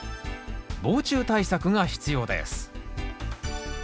防虫対策が必要です。